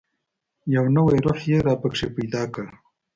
یو نوی روح یې را پکښې پیدا کړ.